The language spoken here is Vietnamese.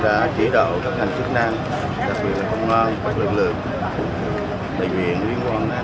tại huyện núi thành lãnh đạo tỉnh đã chỉ đạo cho bệnh viện đa khoa trung ương quảng nam